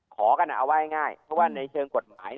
ขอกันเอาว่าง่ายเพราะว่าในเชิงกฎหมาย